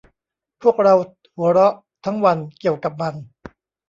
พวกเราหัวเราะทั้งวันเกี่ยวกับมัน